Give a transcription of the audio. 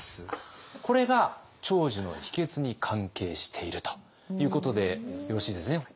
これが長寿の秘けつに関係しているということでよろしいですね。